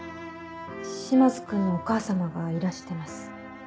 島津君のお母様がいらしてます。